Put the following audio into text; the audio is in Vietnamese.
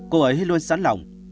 cô ấy luôn sẵn lòng